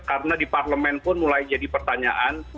karena di parlemen pun mulai jadi pertanyaan